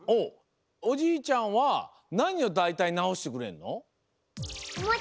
おじいちゃんはなにをだいたいなおしてくれるの？